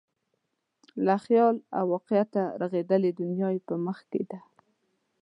له خیال او واقعیته رغېدلې دنیا یې په مخ کې ده.